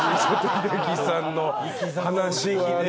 英樹さんの話はね。